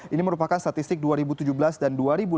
ini merupakan statistik dua ribu tujuh belas dan dua ribu delapan belas